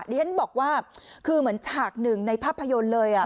เรียนบอกว่าคือเหมือนฉากหนึ่งในภาพยนตร์เลย